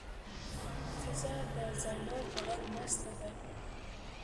فضا د زاڼو په غږ مسته ده.